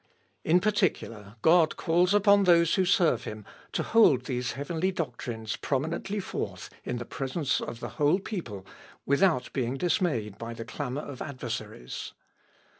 In particular, God calls upon those who serve him to hold these heavenly doctrines prominently forth in presence of the whole people without being dismayed by the clamour of adversaries.